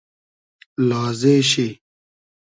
لازې شی